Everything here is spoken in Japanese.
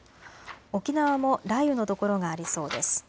沖縄も雷雨の所がありそうです。